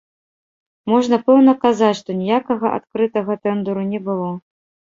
Можна пэўна казаць, што ніякага адкрытага тэндэру не было.